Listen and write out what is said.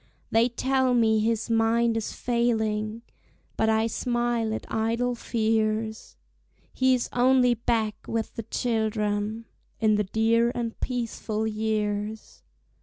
They tell me his mind is failing, But I smile at idle fears; He is only back with the children, In the dear and peaceful years.